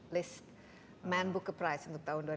list man booker prize untuk tahun dua ribu enam belas ya